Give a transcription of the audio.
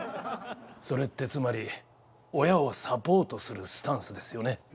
それってつまり親をサポートするスタンスですよね。